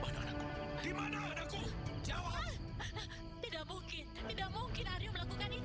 namus kokoh dengan kakak